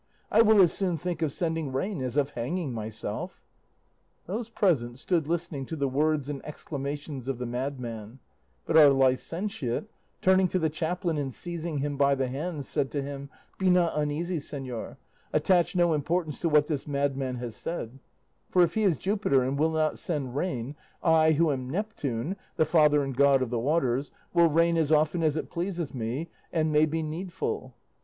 I will as soon think of sending rain as of hanging myself. "Those present stood listening to the words and exclamations of the madman; but our licentiate, turning to the chaplain and seizing him by the hands, said to him, 'Be not uneasy, señor; attach no importance to what this madman has said; for if he is Jupiter and will not send rain, I, who am Neptune, the father and god of the waters, will rain as often as it pleases me and may be needful.